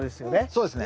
そうですね。